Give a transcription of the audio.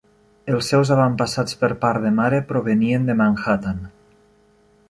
Els seus avantpassats per part de mare provenien de Manhattan.